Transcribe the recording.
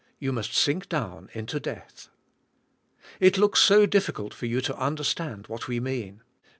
You must sink down into death. It looks so difficult for you to understand what we mean.